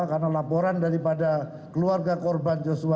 karena laporan daripada keluarga korban joshua